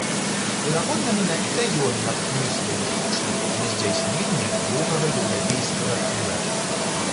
Верагодна, менавіта ён натхніў свайго вучня на здзяйсненне доўгага еўрапейскага тура.